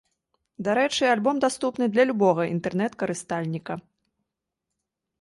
Дарэчы, альбом даступны для любога інтэрнэт-карыстальніка.